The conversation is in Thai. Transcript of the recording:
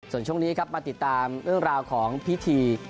ส่วนช่วงนี้ครับมาติดตามเรื่องราวของพิธี